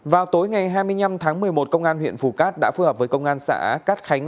vào tối ngày hai mươi năm tháng một mươi một công an huyện phù cát đã phù hợp với công an xã cát khánh